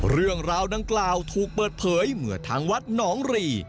เรื่องราวดังกล่าวถูกเปิดเผยเมื่อทางวัดหนองรี